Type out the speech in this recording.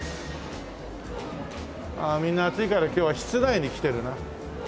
ああみんな暑いから今日は室内に来てるな。